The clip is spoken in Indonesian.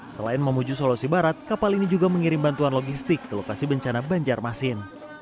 selain memuju sulawesi barat kapal ini juga mengirim bantuan logistik ke lokasi bencana banjarmasin